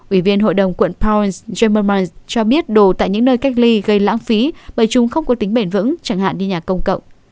ủy viên hội đồng quận power jammers cho biết đồ tại những nơi cách ly gây lãng phí bởi chúng không có tính bền vững chẳng hạn đi nhà công cộng